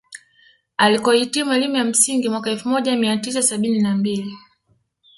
Alikohitimu elimu ya msingi mwaka elfu moja mia tisa sabini na mbili